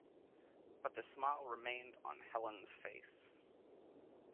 But the smile remained on Helene's face.